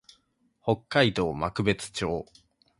北海道幕別町